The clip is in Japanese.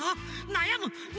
なやむ！